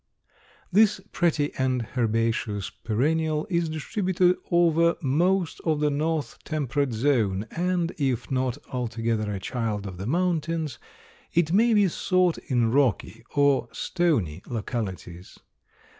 This pretty and herbaceous perennial is distributed over most of the north temperate zone and, if not altogether a child of the mountains, it may be sought in rocky or stony localities.